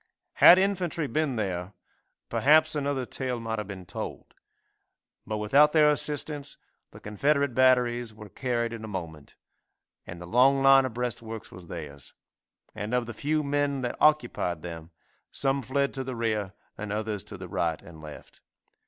Had infantry been there, perhaps another tale might have been told, but without their assistance the Confederate batteries were carried in a moment, and the long line of breastworks was theirs, and of the few men that occupied them, some fled to the rear and others to the right and left.